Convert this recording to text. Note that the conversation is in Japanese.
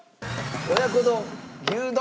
親子丼牛丼。